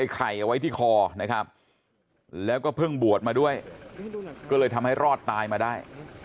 ไข่เอาไว้ที่คอนะครับแล้วก็เพิ่งบวชมาด้วยก็เลยทำให้รอดตายมาได้